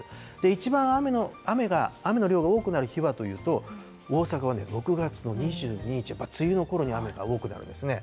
一番雨の量が多くなる日はというと、大阪は６月の２２日、やっぱり梅雨のころに雨が多くなるんですね。